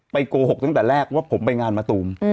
โกหกตั้งแต่แรกว่าผมไปงานมะตูม